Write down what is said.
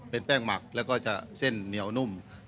เป็นแป้งหมักแล้วก็จะเส้นเหนียวนุ่ม